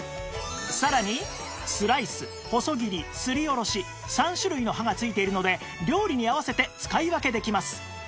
さらにスライス細切りすりおろし３種類の刃がついているので料理に合わせて使い分けできます